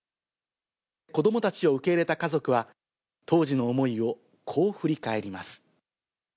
子どもたちを受け入れた家族は、当時の思いを、こう振り返ります。